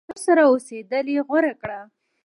خسر سره اوسېدل یې غوره کړه.